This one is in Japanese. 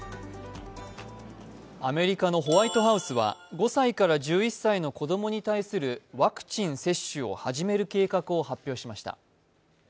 アメリカのホワイトハウスは、５歳から１１歳の子どもに対するワクチン接種を始める計画を発表しました。